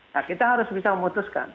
nah kita harus bisa memutuskan